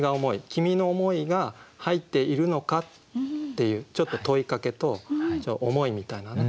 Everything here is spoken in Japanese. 君の思いが入っているのかっていうちょっと問いかけと思いみたいなね